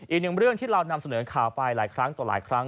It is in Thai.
อีกหนึ่งเรื่องที่เรานำเสนอข่าวไปหลายครั้งต่อหลายครั้ง